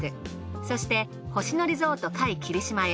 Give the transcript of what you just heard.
そして星野リゾート界霧島へ。